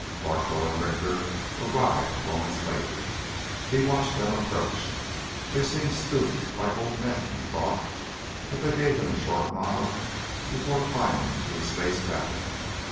Larkwell and Richter arrived moments later. He watched them approach. They seemed stooped like old men, he thought but they gave him a short nod before climbing to the space cabin.